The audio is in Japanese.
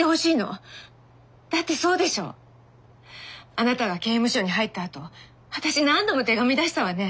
だってそうでしょあなたが刑務所に入ったあと私何度も手紙出したわね。